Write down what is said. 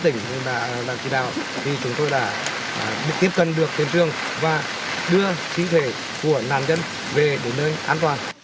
thì chúng tôi đã tiếp cận được tiền trương và đưa chính thể của nạn nhân về đến nơi an toàn